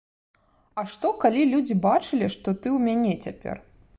А што, калі людзі бачылі, што ты ў мяне цяпер.